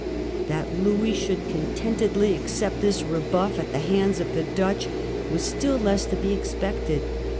That Louis should contentedly accept his rebuff at the hands of the Dutch was still less to be expected.